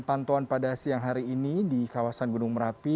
pantauan pada siang hari ini di kawasan gunung merapi